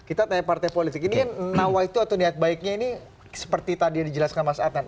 kita tanya partai politik ini kan nawaitu atau niat baiknya ini seperti tadi yang dijelaskan mas adnan